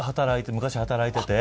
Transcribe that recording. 昔働いてて。